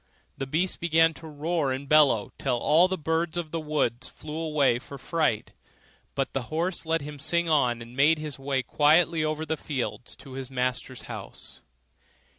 The beast began to roar and bellow, till all the birds of the wood flew away for fright; but the horse let him sing on, and made his way quietly over the fields to his master's house.